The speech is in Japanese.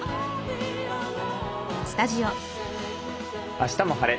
「あしたも晴れ！